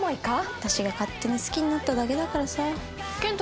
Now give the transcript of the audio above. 私が勝手に好きになっただけだからさ。